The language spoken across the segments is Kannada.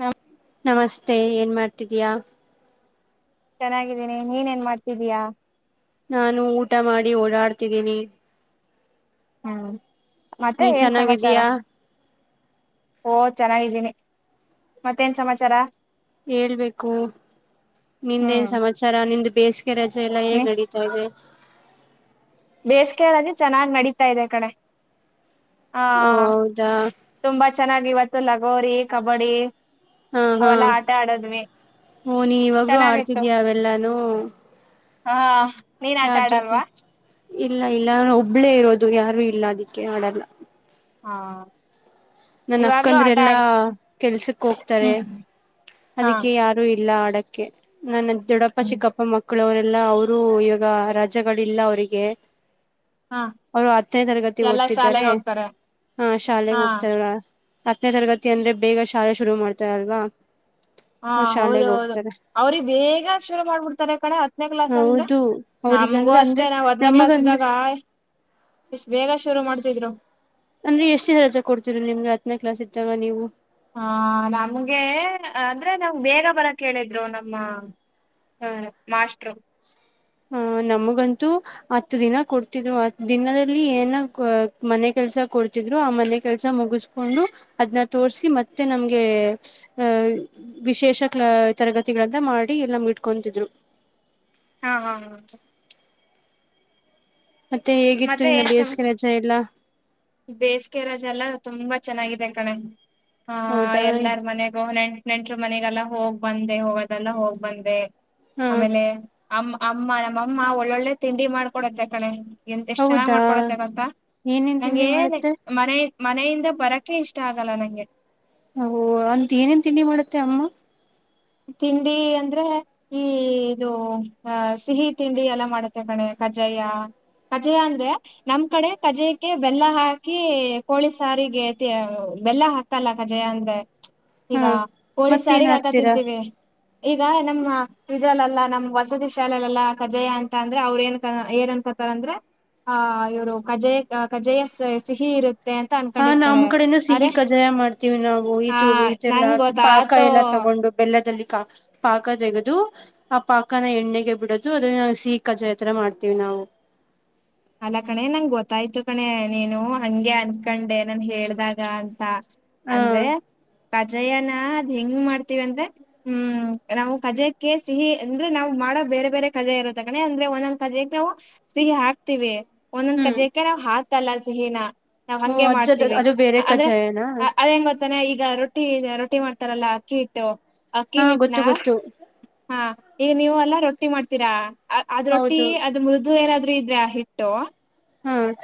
ನಾ ನಮಸ್ತೆ ಏನ್ ಮಾಡ್ ಇಟ್ಟಿದಯಾ ಚೆನ್ನಾಗಿದ್ದೀನಿ ನೀನೆನ್ನ ಮಾಡ್ತಿದ್ದೀಯಾ ನಾನು ಊಟ ಮಾಡಿ ಓಡಾಡ್ತಿದ್ದೀನಿ ಹೌ ನೀ ಚೆನ್ನಾಗಿದ್ದೀಯಾ ಓ ಚೆನ್ನಾಗಿದ್ದೀನಿ ಮತ್ತೇನ್ ಸಮಾಚಾರ ಹೇಳ್ಬೇಕು ಹ್ಮ್ ನಿಂದೇನ್ ಸಮಾಚಾರ ನಿಂದ ಬೇಸಿಗೆ ರಜೆ ಎಲ್ಲ ಹೇಗ್ ನಡೀತಾ ಇದೆ ಬೇಸಗೆಯಂದೆ ಚೆನ್ನಾಗ್ ನಡತಾ ಇದೆ ಕಣೆ ಹಾ ಓ ಹೌದಾ ತುಂಬಾ ಚೆನ್ನಾಗಿವತ್ತು ಲಗೋರಿ ಕಬಡ್ಡಿ ಹಾ ಹಾ ಅವೆಲ್ಲಾ ಆಟ ಆಡದ್ವಿ ಓ ನೀನ್ ಇವಾಗೂ ಚೆನ್ನಾಗಿತ್ತು ಆಡ್ತಿದೀಯ ಅವೆಲ್ಲಾನೂ ಹಾ ನೀನ್ ಆಟ ಆಡಲ್ವಾ ಇಲ್ಲ ಇಲ್ಲ ಒಬ್ಳೇ ಇರೋದು ಯಾರು ಇಲ್ಲ ಅದಕ್ಕೆ ಹಾಡಲ್ಲ ಹಾ ನನ್ ಅಕ್ಕಂದ್ರೆಲ್ಲಾ ಕೆಲ್ಸಕ್ ಹೋಗ್ತಾರೆ ಹ್ಮ್ ಹಾ ಅದಕ್ಕೆ ಯಾರು ಇ ಇಲ್ಲ ಆಡಕ್ಕೆ ನನ್ನ ದದುಡಪ್ಪ ಹ್ಮ್ ಚಕ್ಕಪ್ಪ ಮಕ್ಕ ಮಕ್ಕಳವರೆಲ್ಲ ಅವರು ಇವಾಗ ರಜೆಗಳಿಲ್ಲ ಅವರಿಗೆ ಹಾ ಅವರು ಹತ್ತನೇ ತರಗತಿ ಎಲ್ಲಾ ಓದ್ತಿದ್ದಾರೆ ಶಾಲೆೆಗೆ ಹೋಗ್ತಾರೆ ಹಾ ಶಾಲೆಗೆ ಹಾ ಹೋಗ್ತ ಹತ್ತನೇ ತರಗತಿ ಅಂದ್ರೆ ಬೇಗ ಶಾಲೆ ಶುರು ಮಾಡ್ತಾರಲ್ವಾ ಹಾ ಹೌದ ಹೌದು ಅವ್ರಿಗೆ ಬೇಗ ಶುರು ಮಾಡ್ಬಿಡ್ತಾರೆ ಕಣೆ ಹತ್ತನೇ ಕ್ಲಾಸ್ ಅಂದ್ರೆ ಹೌದು ನಮಗೂ ಅವ್ರಿಗಂದ್ರೆ ಅಂದ್ರೆ ಅಷ್ಟೇ ನಾವ್ ಹತ್ತನೇ ಕ್ಲಾಸ್ ಇದ್ದಾಗ್ ನಮಗಂದ್ರೆ ಇಷ್ಟ ಬೇಗ ಶುರು ಮಾಡ್ತಿದ್ರು ಅಂದ್ರೆ ಎಷ್ಟು ಸಜ ಕೊಡ್ತಿೀರ ನಿಮ್ಗೆ ಹತ್ತನೇ ಕ್ಲಾಸ್ ಇದ್ದಾಗ ನೀವು ಹಾ ನಮ್ಗೆ ಅಂದ್ರೆ ನಾವ್ ಬೇಗ ಬರಕ್ ಹೇಳಿದ್ರು ನಮ್ಮ ಹ ಮಾಸ್ರು ಹಹ ನಮಗಂತೂ ಹತ್ತು ದಿನ ಕೊಡ್ತಿದ್ರು ಹತ್ ದಿನದಲ್ಲಿ ಏನ ಮನೆ ಕೆಲ್ಸ ಕೊಡ್ತಿದ್ರು ಆ ಮನೆ ಕೆಲ್ಸ ಮುಗಿಸಕೊಂಡು ಅದ್ನ್ನ ತೋರ್ಸಿ ಮತ್ತೆ ನಮ್ಗೆ ಅಹ ವಿಶೇಷ ಕ್ಲ ತರಗತಿಗಳಂತ ಮಾಡಿ ಎಲ್ಲ ಇಟ್ಕೊತಿದ್ರು ಹಾ ಹಾ ಹಾ ಮತ್ತೆ ಹೇಗಿತ್ತು ಮತ್ತೆ ನಿನ್ನ ಏನ್ ಬೇಸಿಗೆ ಸಮಾಚಾರ ರಜೆ ಎಲ್ಲ ಬೇಸಿಗೆ ರಜೆ ಎಲ್ಲ ತುಂಬಾ ಚೆನ್ನಾಗಿದೆ ಕಣೆ ಹಾ ಹೌದಾ ಎಲ್ಲಾರ ಮನೆಗೂ ನೆಂಟ್ ನೆಂಟ್ರು ಮನೆಗೆಲ್ಲ ಹೋಗ್ ಬಂದೆ ಹೋಗದೆಲ್ಲ ಹೋಗ್ ಬಂದೆ ಹಾ ಆಮೇಲೆ ಅಮ್ಮ ಅಮ್ಮ ನಮ್ಮಮ್ಮ ಒಳ್ಳೊಳ್ಳೆ ತಿಂಡಿ ಮಾಡಡ್ಕೊಡುತ್ತೆ ಕಣೆ ಎಂತ ಎಷ್ಟ್ ಚೆನ್ನಾಗ್ ಹೌದಾ ಮಾಡಿಕೊಡುತ್ತೆ ಗೊತ್ತಾ ಏನೇನ್ ತಿಂಡಿ ನನಗೆ ಮಾಡುತ್ತೆ ಮನೆ ಮನೆಯಿಂದ ಬರಕೆ ಇಷ್ಟ ಆಗಲ್ಲ ನಂಗೆ ಓಹೋ ಅಂತ ಏನೇನ್ ತಿಂಡಿ ಮಾಡತ್ತೆ ಅಮ್ಮ ತಿಂಡಿ ಅಂದ್ರೆ ಈ ಇದು ಅ ಸಿಹಿ ತಿಂಡಿ ಎಲ್ಲ ಮಾಡುತ್ತೆ ಕಣೆ ಕಜ್ಜಾಯ ಕಜ್ಜಾಯ ಅಂದ್ರೆ ನಮ್ ಕಡೆ ಕಜ್ಜಾಯಕ್ಕೆ ಬೆಲ್ಲ ಹಾಕಿ ಕೋಳಿ ಸಾರಿಗೆ ಬೆಲ್ಲ ಹಾಕಲ್ಲ ಕಜ್ಜಾಯ ಅಂದ್ರೆ ಹಾ ಈಗ ಹೋಳಿ ಮತ್ತೇನ್ ಸಾರಿಗೆ ಹಾಕದ್ ಹಾಕ್ತೀರಾ ತಿಂತೀವಿ ಈಗ ನಮ್ಮ ದ್ರಲ್ಲಲ್ಲಾ ನಮ್ ವಸತಿ ಶಾಲೆಯಲ್ಲೆಲ್ಲಾ ಕಜ್ಜಾಯ ಅಂತ ಅಂದ್ರೆ ಅವ್ರ್ ಏನ್ ಏನ್ ಅನ್ಕತಾರೆ ಅಂದ್ರೆ ಆಹ್ ಇವ್ರು ಕಜ್ಜಾ ಕಜ್ಜಾಯ ಸಿಹಿ ಇರುತ್ ಹಾ ನಮ್ ಕಡೆನೂ ಸಿಹಿ ಕಜ್ಜಾಯ ಮಾಡ್ತೀವಿ ನಾವು ಆ ಇದು ಇದೆಲ್ಲಾ ನಂಗ್ ಹಾಕಿ ಪಾಕ ಗೊತ್ತಾತು ಎಲ್ಲ ತಗೊಂಡು ಬೆಲ್ಲದಲ್ಲಿ ಕಾ ಪಾಕ ತೆಗೆದು ಆ ಪಾಕನ ಎಣ್ಣೆಗೆ ಬಿಡದು ಅದನ್ನ ಸಿಹಿ ಕಜ್ಜಾಯ ತರ ಮಾಡ್ತಿವಿ ನಾವು ಅಲ್ಲ ಕಣೆ ನಂಗೊತ್ತಾಯ್ತು ಕಣೆ ನೀನು ಹಂಗೆ ಅನ್ಕೊಂಡೆ ನಾನ್ ಹೇಳ್ದಾಗ ಅಂತ ಹ ಅಂದ್ರೆ ಕಜ್ಜಾಯನ ಅದ್ ಹೆಂಗ್ ಮಾಡ್ತಿವಿ ಅಂದ್ರೆ ಹ್ಮ್ ನಾವು ಕಜ್ಜಾಯಕ್ಕೆ ಸಿಹಿ ಅಂದ್ರೆ ನಾವು ಮಾಡೋ ಬೇರೆ ಬೇರೆ ಕಜ್ಜಾಯ ಇರುತ್ತೆ ಕಣೆ ಅಂದ್ರೆ ಒಂದೊಂದ್ ಕಜಾಯಕ್ಕೆ ನಾವು ಸಿಹಿ ಹಾಕ್ ತಿವಿ ಒಂದೊಂದ್ ಕಜ್ಜಾಯಕ್ಕೆ ನಾವು ಹಾಕಲ್ಲ ಸಿಹಿನಾ ಹ್ಮ ಅಜ್ಜೋದು ಅದು ಬೇರೆ ಕಜ್ಜಾಯನಾ ಕಣೆ ಈಗ ರೊಟ್ಟಿ ರೊಟ್ಟಿ ಮಾಡ್ತಾರಲ್ಲ ಅಕ್ಕಿ ಹಿಟ್ಟು ಅಕ್ಕಿ ಹಾ ಗೊತ್ತು ಹಿಟ್ನಾ ಗೊತ್ತು ಹಾ ಈಗ್ ನೀವೆಲ್ಲಾ ರೊಟ್ಟಿ ಮಾಡ್ತೀರಾ ಅದ್ ರೊಟ್ಟಿ ಹೌದು ಅದ ಮೃದು ಏನಾದ್ರೂ [unintelligible] ಹಿಟ್ಟು ಹ್ಮ್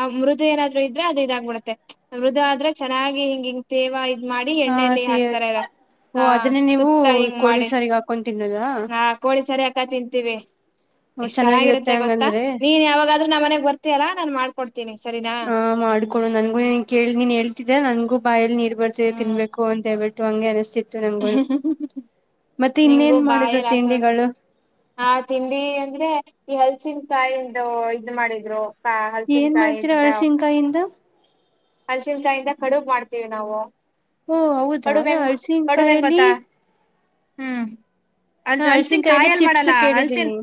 ಆ ಮೃದು ಏನಾದ್ರು ಇದ್ರೆ ಅದು ಇದಾಗಬಿಡುತ್ತೆ ಮೃದು ಆದ್ರೆ ಚೆನ್ನಾಗಿ ಹಿಂಗ್ ಹಿಂಗ್ ತೇವ ಇದ್ ಮಾಡಿ ಹಾ ಎಣ್ಣೆಲಿ ಹಾಕ್ತಾರೇ ಚೇಟ್ ಓ ಹಾ ಅದನ್ನೇ ನೀವು ಸುತ್ತ ಹಿಂಗ್ ಕೋಳಿ ಮಾಡಿ ಸಾರಿಗೆ ಹಾಕೊಂಡ್ ತಿನ್ನದಾ ಹಾ ಕೋಳಿಸಾರಿಗೆ ಹಾಕ್ ಕ ತಿಂತೀವಿ ಎಷ್ಟ್ ಚೆನ್ನಾಗಿರುತ್ತೆ ಗೊತ್ತಾ ನೀನ್ ಯಾವಾಗಾದ್ರೂ ನಮ್ಮ ಮನೆಗ್ ಬರ್ತಿಯಲ್ಲ ನಾನ್ ಮಾಡ್ಕೊಡ್ತ್ ಹಾ ಮಾಡ್ಕೊಡು ನನ್ಗೂ ನೀನ್ ಕೇಳ್ ನೀನ್ ಹೇಳ್ತಿದ್ಯಾ ನನ್ಗೂ ಬಾಯಲ್ ನೀರ್ ಬರ್ತಿದೆ ಹ್ಮ್ ತಿನ್ಬೇಕು ಅಂತೇಳ್ಬಿಟ್ಟು ಟ್ಟು ಹಂಗೆ ಅನ್ಸ್ತಿತ್ತ್ ನಿಂಗು ಇನ್ನೇನ್ ಬಾಯಿ ಮಾಡಿದ್ರು ರಾಸ ಒಂದ ತಿಂಡಿಗಳು ಆ ತಿಂಡಿ ಅಂದ್ರೆ ಈ ಹಲ್ಸಿನಕಾಯಿಂದು ಇದ ಮಾಡಿದ್ರು ಏನ್ ಮಾಡ್ತೀರಾ ಅಳ್ಸಿನ್ಕಾಯಿಂದ ಹಲಸಿನಕಯಿಂದ ಕಡುಬ್ ಮಾಡ್ತೀವಿ ನಾವು ಓ ಹೌದಾ ಕಡುಬ್ ಹೆಂಗ್ ಕಡುಬ್ ಹೆಂಗ್ ಅಲ್ಸಿನ್ಕಯಲಿ ಗೊತ್ತಾ ಹ್ಮ್ ಅ ಹಲ್ಸನ್ ಹಳ್ಸಿನ್ಕಾಯಲ್ಲಿ ಕಾಯಲ್ ಚಿಪ್ಸ್ ಮಾಡಲ್ಲ ಹಲ್ಸನ್ ಕೇಳಿದ್ದೀನಿ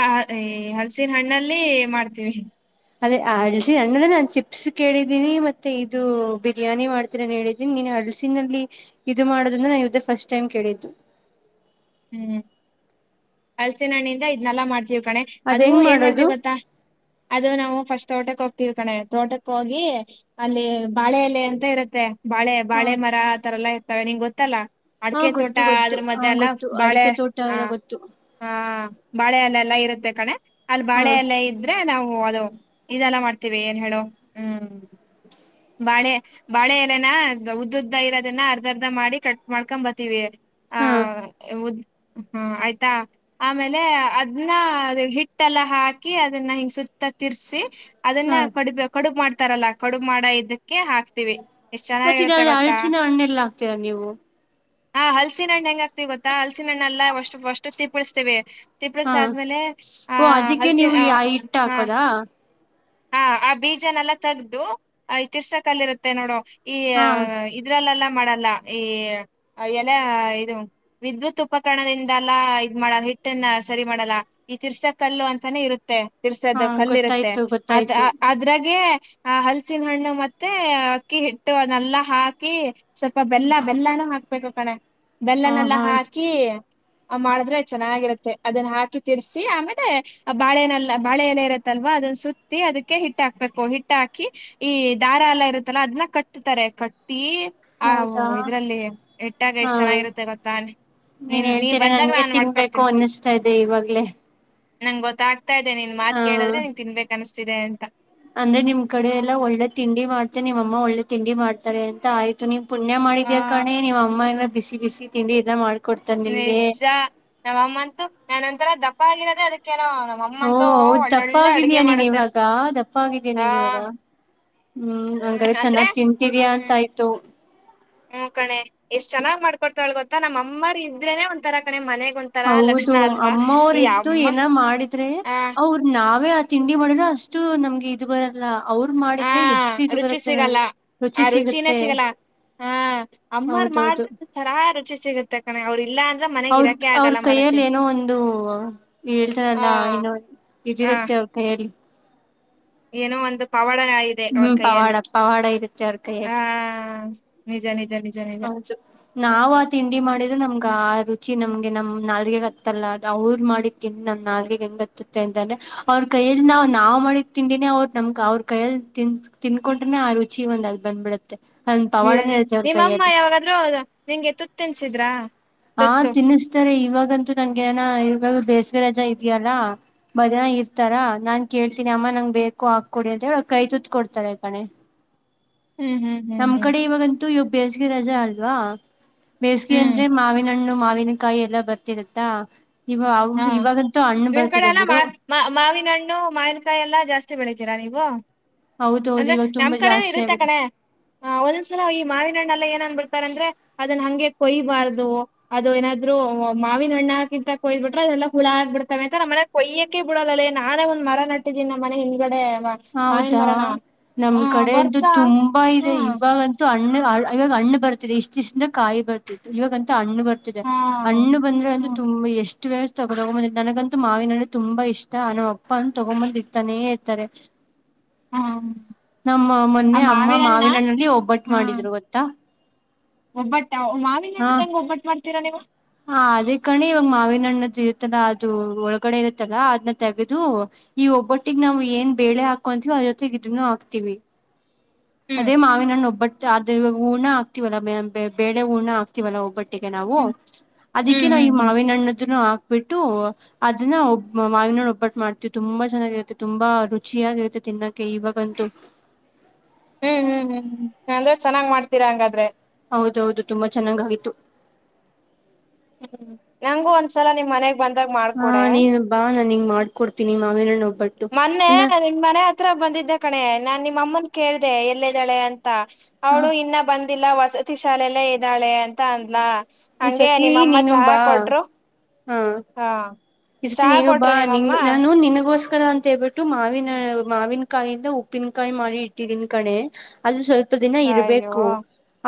ಆ ಎ ಹಲ್ಸನ್ ಹಣ್ ನಲ್ಲಿ ಮಾಡ್ತೀವಿ ಅದೇ ಅಳ್ಸಿನ ಅಣ್ಣ ನಾನ್ ಚಿಪ್ಸ್ ಕೇಳಿದ್ದೀನಿ ಮತ್ತೆ ಇದು ಬಿರಿಯಾನಿ ಮಾಡ್ತೀನ ಹೇಳಿದ್ದೀನಿ ನೀನ ಅಳ್ಸಿನಲ್ಲಿ ಇದು ಮಾಡೋದನ್ನ ನಾ ಇದೆ ಫಸ್ಟ್ ಟೈಮ್ ಕೇಳಿದ್ದು ಹ್ಮ್ ಅಳ್ಸಿನ್ ಹಣ್ಣಿನ ಇದ್ನೆಲ್ಲ ಮಾಡ ತಿವ್ ಕಣೆ ಅದ್ ಅದು ಹೆಂಗ್ ಏನ್ ಮಾಡೋದು ಮಾಡ್ತೀವಿ ಗೊತ್ತಾ ಅದು ನಾವು ಫಸ್ಟ್ ತೊಟಕ್ಕೆ ಹೋಗ್ ತಿಳ್ಕಣೆ ತೋಟಕ್ ಹೋಗಿ ಅಲ್ಲಿ ಬಾಳೆ ಎಲೆ ಅಂತ ಇರತ್ತೆ ಬಾಳೆ ಹಾ ಬಾಳೆ ಮರ ಆತರ ಎಲ್ಲಾ ಇ ತರೆ ನಿಂಗ್ ಗೊತ್ತಲ್ಲಾ ಹಾ ಗೊತ್ತು ಗೊತ್ತು ಹಾ ಗೊತ್ತು ಅಡಿಕೆ ತೋಟ ಅವೆಲ ಗೊತ್ತು ಹಾ ಬಾಳೆಲ್ಲೆಲ್ಲಾ ಇರುತ್ತೆ ಕಣೆ ಅಲ್ಲಿ ಹಾ ಬಾಳೆ ಎಲ್ಲ ಇದ್ರೆ ನಾವು ಓ ಅದೋ ಇದೆಲ್ಲ ಮಾಡ್ತೀವಿ ಏನ್ ಹೇಳು ಹ್ಮ್ ಬಾಳೆ ಬಾಳೆ ಎಲೆನ ಉದ್ದ ಉದ್ದ ಇರೋದನ್ನ ಅರ್ಧ ಅರ್ಧ ಮಾಡಿ ಕಟ್ ಮಾಡ್ಕೊಂಡ್ ಬರ್ತೀವಿ ಆ ಹಾ ಉದ್ ಹ್ಮ ಆಯ್ತಾ ಆಮೇಲೆ ಅದನ್ನ ಹಿಟ್ಟೆಲ್ಲ ಹಾಕಿ ಅದನ್ನ ಹಿಂಗ ಸುತ್ತ ತಿರ್ಸಿ ಅದನ್ನ ಹಾ ಕಡುಬೆ ಕಡುಬ್ ಮಾಡ್ ತರಲ್ಲ ಕಡುಬ್ ಮಾಡೊ ಇದ ಕೆ ಹಾಕ್ತಿವಿ ಎಷ್ಟ್ ಮತ್ತ ಚೆನ್ನಾಗಿರುತ್ತೆ ಇದಲ್ಲಿ ಗೊತ್ತಾ ಹಳ್ಸಿನ [unintelligible] ನೀವು ಹಾ ಹಸಿನ್ ಹಣ್ಣ ಹೆಗಕ್ತಿವ್ ತ ಗೊತ್ತಾ ಹಲ್ಸಿನ ಹಣ್ಣು ಎಲ್ಲ [unintelligible] ತೀಪ್ಪಳಸ್ತೇವಿ ಹಾ ಓ ಅದಕ್ಕೆ ಹಲ್ಸಿನ ನೀವು ಇಟ್ ಹಾ ಹಾಕೋದಾ ಹಾ ಆ ಬೀಜನೆೆಲ್ಲ ತಗ್ದು ಆ ತಿರ್ಸಕಲ್ಲಿ ಇರುತ್ತೆ ನೋಡು ಈ ಹಾ ಇದ್ರಲ್ಲೆಲ್ಲ ಮಾಡಲ್ಲ ಈ ಎಲೆ ಇದು ವಿದ್ಯುತ್ ಉಪಕರಣದಿಂದಲ್ಲ ಇದ ಮಾಡಲ್ಲ ಹಿಟ್ಟನ್ನ ಸರಿ ಮಾಡಲ್ಲ ಈ ತಿರ್ಸ ಕಲ್ಲು ಅಂತಾನೆ ಇರುತ್ತೆ ತೆ ಹಾ ತಿರ್ಸೋದ ಕಲ್ಲಿರುತ್ತೆ ಗೊತ್ತಾಯ್ತು ಅದ ಗೊತ್ತಾಯ್ತು ಅದ್ರಾಗೆ ಆ ಹಲ್ಸಿನ ಹಣ್ಣು ಮತ್ತೆ ಅಕ್ಕಿ ಹಿಟ್ಟು ಅನೆಲ್ಲಾ ಹಾಕಿ ಸ್ವಲ್ಪ ಬೆಲ್ಲ ಬೆಲ್ಲನ ಹಾ ಹ ಬಬೇಕು ಕಡೆ ಹಾ ಬೆಲ್ಲನೆಲ್ಲಾ ಹಾ ಹಾಕಿ ಆ ಮಾಡಿದ್ರೆ ಚೆನ್ನಾಗಿರುತ್ತೆ ಅದನ್ನ ಹಾಕಿ ತಿರ್ಸಿ ಆಮೇಲೆ ಆ ಬಾಳೆನಲ್ಲ ಬಾಳೆ ಏಲೆ ಇರುತ್ತಲ್ವಾ ಅದನ್ನ ಸುತ್ತ ಅದಕ್ಕೆ ಹಿಟ್ಟ ಹಾಕ್ಬೇಕು ಹಿಟ್ಟ ಹಾಕಿ ಈ ದಾರ ಎಲ್ಲಾ ಇರುತ್ತಲ್ಲ ಅದನ್ನ ಕಟ್ತಾರೆ ಕಟ್ ಆ ಹೌದಾ ಇದ್ರಲ್ಲಿ ಇಟ್ಟಾಗ ಹಾ ಎಷ್ಟ್ ಚೆನ್ನಾಗಿರುತ್ತೆ ಗೊತ್ತ ನೀನ್ ನಿನ್ ನೀ ಹೇಳ್ತೀರ ಬಂದಾಗ್ಲ ನನ್ಗೆ ನಾನನ ತಿನ್ಬೇಕು ಮಾಡ್ಕೊಡ್ತೀನಿ ಅನ್ನಿಸ್ತಾ ಇದೆ ಇವಾಗ್ಲೇ ನಂಗ್ ಗೊತ್ತಾಗ ಾದೆ ನೀನ್ ಮಾತ್ ಹಾ ಕೇಳಿದ್ರೆನ್ ತಿನ್ಬೇಕು ಅಷ್ಟಿದೆ ಅಂತ ಅಂದ್ರೆ ನಿಮ್ ಕಡೆ ಎಲ್ಲಾ ಒಳ್ಳೆ ತಿಂಡಿ ಮಾಡ್ತೆ ನಿಮ್ಮಮ್ಮ ಒಳ್ಳೆ ತಿಂಡಿ ಮಾಡ್ತಾರೆ ಅಂತ ಆಯ್ತು ನೀ್ ಪುಣ್ಯ ಆ ಮಾಡಿದ್ಯಾ ಕಣೆ ನೀವು ಅಮ್ಮನ ಬಿಸಿ ಬಿಸಿ ತಿಂಡಿ ಇದನ್ನ ಮಾಡ ನಿಜ ನಮ್ಮಮ್ಮಂತು ನನ್ಂತರ ದಪ್ಪ ಪದೆ ಹ ಹೌದ ದಪ್ಪಾಗಿದಯ ಅಡ್ಗೆ ನೀನ್ ಮಾಡತ್ತೆ ಇವಾಗ ದಪ್ಪಾಗಿದೀ ಆ ನೀನ್ ಇವಾಗ ಹ್ಮ್ ಹಂಗ್ರ ಚೆನ್ನಾಗ್ ತಿಂತಿದಯಾ ಅಂತ ಆಯ್ತು ಹ್ಮ್ ಕಣೆ ಎಷ್ಟ್ ಚೆನ್ನಾಗ ಮಾಡ್ಕೊಡ್ತಾವವಳಳ್ ಗೊತ್ತಾ ನಮ್ಮ ಅಮ್ಮರ್ ಇದ್ರೇನೆ ಒಂತರ ಕಣೆ ಮನೆ ಹೌದು ಅಮ್ಮವ್ರ ಇದ್ದು ಏನ ಮಾಡಿದ್ರೆ ಆ ಅವ್ರ ನಾವೇ ತಿಂಡಿ ಮಾಡಿದ ಅಷ್ಟು ನಮ್ಗೆ ಇದು ಬರಲ್ಲ ಅವ್ರ ಹಾ ಮಾಡಿದ್ರೆ ಎಷ್ಟು ಇದು ರುಚಿ ಬರುತ್ತೆ ಸಿಗಲ್ಲ ನಮ್ಗೆ ಆ ರುಚಿ ರುಚಿನೇ ಸಿಗುತ್ತೆ ಸಿಗಲ್ಲ ಹಾ ಅಮ್ಮರ್ ಹೌದೌದು ಮಾಡ್ರ ತರಾ ಸಿಗುತ್ತೆಣ ಅವ್ರ ಇಲ್ಲ ಅ ಅವ್ರ ಅವ್ರ ಕೈಯಲ್ಲಿ ಏನೋ ಒಂದು ಆ ಹೇಳ್ತಾರಲ್ಲ ಏನೋ ಆ ಇದಿರುತ್ತೆ ಅವ್ರ ಕೈಯ್ಯಲ್ಲಿ ಏನೋ ಒಂದು ಪವಾಡ ಇದೆ ಅವ್ರ ಹ್ಮ್ ಪವಾಡ ಕೈಯಲ್ಲಿ ಪವಾಡ ಇರುತ್ತ ಅವರ ಆ ಕೈಯಲ್ಲಿ ನಿಜ ನಿಜ ನಿಜ ನಿಜ ಹೌದು ನಾವ್ ಆ ತಿಂಡಿ ಮಾಡಿದ್ರೆ ನಮ್ಗ ರುಚಿ ನಮ್ಗೆ ನಮ್ ನಾಲ್ಗೆಗ್ ಅತ್ತಲ್ಲ ಅವ್ರು ಮಾಡಿ ತಿಿ ನಮ ನಾಗ್ ಹೆಂಗತ್ತತ್ತ ಅಂತಂದ್ರೆ ಅವ್ರ ಕೈಯಲ್ಲಿ ನಾವ ನಾವ್ ಮಾಡಿ ತಿಂಡಿನೇ ಅವ್ರು ನಮ್ಗ್ ಅವ್ರ ಕೈಯಲ್ಲಿ ತಿನ್ ತಿಂದಕೊಂಡ್ರೆನೆ ಆ ರುಚಿ ಒಂದ ಅಲ್ಲಿ ಬಂದ್ಬಿಡುತ್ತೆ ಅಂದ ಪವಾಡನ ನಿಜ. ಹೇಳ್ತ ನಿಮ್ಮಮ್ಮ ಯಾವಾಗಾದ್ರೂ ನಿಂಗೆ ತುತ್ತ ತಿನ್ಸಿದ್ರಾ ಹಾ ತುತ್ತು ತಿನ್ನಿಸ್ತಾರೆ ಇವಾಗಂತೂ ನಂಗೆೇಏನ ಇವಾಗ ಬೇಸಿಗೆ ರಜಾ ಇದ್ಯಲ್ಲಾ ಮಧ್ಯಾನ ಇರ್ತಾರಾ ನಾನ್ ಕೇಳ್ತೀನಿ ಅಮ್ಮ ನಂಗ್ ಬೇಕು ಹಾಕೊಡಿ ಅಂತ ಹೇಳ ಕೈ ತುತ್ ಕೊಡ್ತಾರ ಈ ಕಣೆ ಹ್ಮ್ ಹ್ಮ್ ಹ್ಮ್ ನಮ್ ಹ್ಮ್ ಕಡೆ ಇವಾಗಂತೂ ಯ ಬೇಜಗೆ ರಜೆ ಅಲ್ವಾ ಬೇಸಿಗೆ ಹ್ಮ್ ಅಂದ್ರೆ ಮಾವಿನಣ್ಣು ಮಾ ಅವವಿನಕಾಯಿ ಎಲ್ಲ ಬರ್ತಿರತ್ತಾ ಇವ ಹಾ ಇವಾಗಂತೂ ಹಣ್ಣು ನಿಮ್ ಕಡೆ ಬರ್ತಿದೆ ಎಲ್ಲ ಬಿಡು ಮಾವಿನ ಹಣ್ಣು ಮಾವಿನಕಾಯಿ ಎಲ್ಲಾ ಜಾಸ್ತಿ ಬೆಳಿತೀರಾ ನೀವು್ ವ ಹೌದೌದು ಅಂದ್ರೆ ಇವಾಗ ನಮ್ ತುಂಬಾ ಕಡೆ ಜಾಸ್ತಿ ಇರುತ್ತೆ ಆಗಿದೆ ಕಣೆ ಒಂದೊಂದ್ಸಲ ಈ ಮಾವಿನ ಹಣ್ಣ ಎಲ್ಲಾ ಎನ್ ಅಂದು ಅಂದ್ರೆ ಅದನ್ನ ಹಂಗೆ ಕೊಯ್ಬಾರ್ದು ಅದು ಏನಾದ್ರು ಮಾವಿನ ಹಣ್ಣ ಹಾಕಿಂತ ಕೊಯ್ ಬಿಟ್ಟ ದೆಲ್ಲ ಹುಳ ಆಗ ಬಿಡ್ತವೆಂತ ನಮ್ಮನೆ ಕೊಯ್ಯಕಕ್ಕೆ ಬಿಡಲ್ಲಲ್ಲಿ ನಾನೇ ಒಂದ್ ಮರ ನಟ್ಟಿದ್ದೀನಿ ನಮ್ಮ ಮನೆ ಹಿಂದಗಡೆ ಹೌದಾ ನಮ್ ಕಡೆ ಅಂತೂ ಬರ್ತಾ ತುಂಬಾ ಇದೆ ಹ್ಮ್ ಇವಾಗಂತೂ ಹಣ್ಣ ಇವಾಗ ಹಣ್ಣು ಬರ್ತಿದೆ ಇಷ್ಟ ಇಷ್ಟಇಂದ ಕಾಯಿ ಬರ್ತತ್ತು ಇವಾಗ ಅಂತ ಹಣ್ಣ ಹಣ್ಣು ಬರ್ತಿದೆ ಹಾ ಹಣ್ಣು ಬಂದ್ರೆ ಅಂತ ಹ್ಮ್ ತುಂಬಾ ಎಷ್ಟು ಎಷ್ಟು ವೇಳಸ್ ತಗೋ ತಗೊಂದ ನನಗಂತೂ ಮಾವಿನ ಹಣ್ಣು ತುಂಬಾ ಇಷ್ಟ ನಮ್ಮ ಅಪ್ಪ ಅಂತ ತಂಗೊಂಡು ಬಂದು ಇಡ್ತಾನೆ ಇರ್ತಾರೆ ಹ್ಮ್ ನಮ್ಮ ಆ ಮೊನ್ನೆ ಅಮ್ಮ ಮಾವಿನ ಹಣ್ಣ ಮಾವಿನಣ್ಣಲ್ಲಿ ಒಬ್ಬಟ್ಟು ಹ್ಮ್ ಮಾಡಿದ್ರು ಗೊತ್ತಾ ಒಬ್ಬಟ್ಟ ಮಾವಿನ ಹಣ್ಣು ಹೆಂಗ್ ಒಬ್ಬಟ್ಟು ಮಾಡ್ತ- ತಿರ ನಿವು ಹಾ ಅದೇ ಕಣೆ ಇವಾಗ ಮಾವಿನಣ್ಣ್ದ ಇರುತ್ತಲ್ಲ ಅದು ಒಳಗಡೆ ಇರುತ್ತಲ್ಲಾ ಅದ್ನ್ನ ತೆಗೆದು ಈ ಒಬ್ಬೊಟ್ಟಿಗೆ ನಾವವು ಏನ್ ಬೇಳೆ ಹಾಕೊಂತೀವವಿ ಅ ಜೊತೆ ಇದನ್ನು ಹಾಕ್ತಿವಿ ಹ್ಮ್ ಅದೇ ಮಾವಿನ್ ಹಣ್ಣು ಒಬ್ಬಟ್ಟು ಅದು ಹೂರ್ಣ ಆಗ್ತಿವಲ್ಲ ಬೇಳೆ ಹೂರ್ಣ ಆಗ್ತಿವಲ್ಲ ಒಬ್ಬಟ್ಟು ಮಟ್ಟಿಗೆ ನಾವು ಹ್ಮ್ ಅದಕ್ಕೆೇ ಹ್ಮ್ ನಾ ಈ ಹ್ಮ್ ಹ್ಮ್. ಮಾವಿನ ಹಣ್ಣು ಇದನ್ನು ಹಾಕ್ಬಿಟ್ಟು ಅದನ್ನ ಒಬ್ಬ ಮಾವಿನೋಡ್ ಒಬ್ಬಟ್ಟು ಮಾಡ್ತೀವಿ ತುಂಬಾ ಚೆನ್ನಾಗಿರುತ್ತೆ ತುಂಬಾ ರುಚಿಯಾಗಿರುತ್ತೆ ತಿನ್ನೋಕ್ಕೆೆ ಇವಾಗಂತೂ ಹ್ಮ್ ಹ್ಮ್ ಹ್ಮ್ ಹ್ಮ್ ಅಂದ್ರೆ ಚೆನ್ನಾಗಿ ಮಾಡ್ತೀರಾ ಹಂಗಾದ್ರೆ ಹೌದೌದು ತುಂಬಾ ಚೆನ್ನಾಗ ಆಗಿತ್ತು ಹ್ಮ್ ನಂಗೂ ಒಂದ್ಸಲ ನಿಮ್ ಮನೆ ಹಾ ನೀನು ಬಾ ನನ ನಿಂಗ್ ಮಾಡ್ಕೊಡ್ತೀನಿ ಮಾವಿನ ಹಣ್ಣು ಮೊನ್ನೆ ನಿನ್ನ ಮನೆ ಹತ್ರ ಬಂದಿದ್ದೆ ಕಣೆ ನಾನ್ ನಿಮ್ಮಮ್ಮನ್ ಕೇಳ್ದ ಎಲ್ಲಿ ಇದ್ದಾಳೆ ಅಂತ ಹ ಅವಳು ಇನ್ನ ಬಂದ ಇಲ್ಲಾ ವಸತಿ ಶಾಲೆಲ್ಲೇ ಇದ್ದಾಳೆ ಅಂತ ಅಂದ್ಲಾ ಈ ಸತಿ ನೀನು ಬಾ ಹಾ ಹಾ ಈ ಸತಿ ಚಹಾ ನೀನು ಬಾ ಕೊಟ್ರು ನಿ ನಿಮ್ಮಮ್ಮ ನಾನು ನಿನಗೋಸ್ಕರ ಅಂತ ಹೇಳ್ಬಿಟ್ಟು ಮಾವಿನ ಮಾವಿನ ಕಾಯಿಂದ ಉಪ್ಪಿನಕಾಯಿ ಮಾಡಿ ಇಟ್ಟಿದಿನಿ ಕಣೆ ಅದು ಸ್ವಲ್ಪ ಸ್ವಲ್ಪ ದಿನ ಅಯ್ಯೋ ಇರಬೇಕು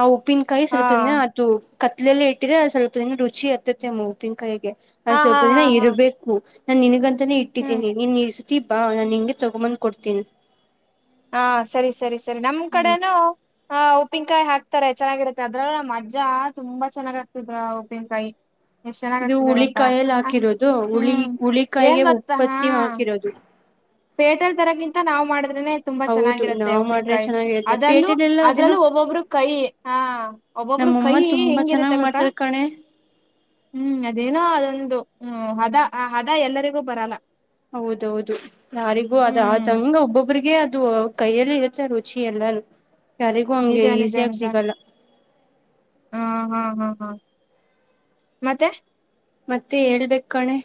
ಆ ಉಪ್ಪಿನಕಾಯಿ ಹಾ ಸ್ವಲ್ಪ ದಿನ ಅದು ಕತ್ಲೆಲೆ ಇಟ್ಟು ಇಟ್ಟ್ರೆ ಸ್ವಲ್ಪ ದಿನ ರುಚಿ ಇರ್ತತೆ ಅ ಉಪ್ಪಿನಕಾಯಿ ಗೆ ಅ ಹಾ ಸ್ವಲ್ಪ ಹಾ ಹಾ ದಿನ ಹಾ ಇರ್ಬೇಕು ನಾ ನಿಂಗಂತ ಹ್ಮ್ ಇಟ್ಟಿದ್ದೀನಿ ನೀನ್ ಬಾ ನಾನ್ ನಿಂಗೆ ತಗೊಂಬಂದ್ ಕೊಡ್ತೀನಿ ಹಾ ಸರಿ ಸರಿ ಸರಿ ನಮ್ ಹ್ಮ್ ಕಡೆನೂ ಹ ಉಪ್ಪಿನಕಾಯಿ ಹಾಕ್ತಾರೆ ಚೆನ್ನಾಗಿರುತ್ತೆ ಅದ್ರಲ್ಲ ಮಜಾ ತುಂಬಾ ಚೆನ್ನಾಗ ಆ್ತಿದ್ರ ಉಪ್ಪಿನಕಾಯಿ ಎಷ್ಟ್ ಚೆನ್ನಾಗ್ ಇದು ಆಗ್ತಿದೆ ಗೊತ್ತಾ ಹುಳಿಕಾಯಲ್ಲಿ ಆ ಹಾಕಿರೋದು ಹುಳಿ ಹ್ಮ್ ಹುಳಿಕಾಯಿಗೆ ಉತ್ಪತ್ತಿ ಹಾಕಿರೋದು ಪೇಟಲ್ ತರಗಿಂತ ನಾ್ ಮಾಡ ತುಂಬಾ ಹೌದು ಚೆನ್ನಾಗಿರತ್ತೆ ನಾವ್ ಮಾಡ್ರೆ ಉಪ್ಪಿನಕಾಯಿ ಚೆನ್ನಾಗಿರುತ್ತೆ ಅದಲ್ಲೂ ಪೇಟೆಲೆಲ್ಲ ಅದೇನೋ ಅದಲ್ಲೂ ಒಬ್ಬೊಬ್ಬರು ಕೈಿ ಹ ಒಬ್ಬೊಬ್ಬರು ನಮ್ಮಮ್ಮ ಕೈಿ ತುಂಬಾ ಹೆಂಗಿರುತ್ತೆ ಚೆನ್ನಾಗ್ ಗತ್ತ ಮಾಡ್ತಾರ್ ಕಣೆ ಹ್ಮ್ ಅದೇನೋ ಅದೊಂದು ಹ್ಮ್ ಹದ ಆ ಹದ ಎಲ್ಲರಿಗೂ ಬರಲ್ಲ ಹೌದೌದು ಯಾರಿಗೂ ಹ್ಮ್ ಅದಾದಂಗ ಒಬ್ಬೊಬ್ರಗ ಇದು ಕೈಯಲ್ಲಿ ಇರುತ್ತೆ ರುಚಿ ಎಲ್ಲ ನಿಜ ನಿಜ ನಿಜಾ ಹ ಹಾ ಹಾ ಹಾ ಮತ್ತೆ ಮತ್ತೆ ಹೇಳ್ಬೇಕ ಕಣೆ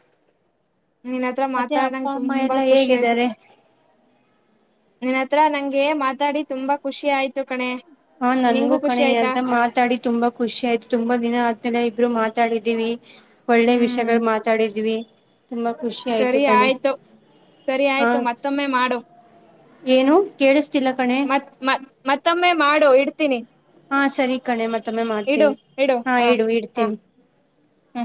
ನಿನ್ ಹತ್ರ ಮತ್ತೆ ಮಾತಾಡ ಅಪ್ಪ ನಂಗ ಅಮ್ಮ ತುಂಬಾ ಎಲ್ಲಾ ಖುಷಿ ಆಯ್ತು ಹೇಗಿದ್ದಾರೆ ನಿನ್ ಹತ್ರ ನಂಗೆ ಮಾತಾಡಿ ತುಂಬಾ ಖುಷಿ ಆಯ್ತು ಕಣೆ ಹಾ ನಿಂಗೂ ನನ್ಗೂ ಕಣ ಖುಷಿ ಆಯ್ತಾ ಅಂತ ಮಾತಾಡಿ ತುಂಬಾ ಖುಷಿಯ್ತು ತುಂಬಾ ದಿನ ಆದ್ಮೇಲೆ ಇಬ್ಬರು ಮಾತ ತಾಡಿದ್ದೀವಿ ಒಳ್ಳೆ ಹ್ಮ್ ವಿಷಯಗಳು ಮಾತಾಡಿದ್ವಿ ತುಂಬಾ ಖುಷಿ ಸರಿ ಕಣೆ ಆಯ್ತು ಸರಿ ಹಾ ಆಯ್ತು ಮತ್ತೊಮ್ಮೆ ಮಾಡು ಏನು ಕೇಳಿಸ ಮತ್ ಮತ್ ಮತ್ತೊಮ್ಮೆ ಮಾಡೋ ಇಡ್ ಹಾ ಸರಿ ಕಣೆ ಮತ್ತೊಮ್ಮೆ ಇಡು ಮಾಡ್ತೀನಿ ಹಾ ಇಡು ಇಡ್ತೀನ್ಿ ಹ್ಮ